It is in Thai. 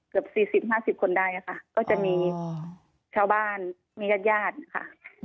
เกือบ๔๐๕๐คนได้ค่ะก็จะมีชาวบ้านมีญาติญาติค่ะ